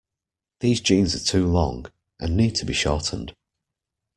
These jeans are too long, and need to be shortened.